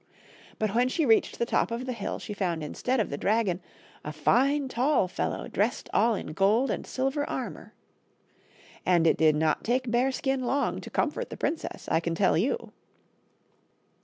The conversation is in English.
But when she reached the top of the hill she found instead of the dragon a fine tall fellow dressed all in gold and silver armor. And it did not take Bearskin long to comfort the princess, I can tell you.